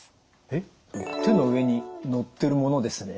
えっ手の上に載ってるものですね？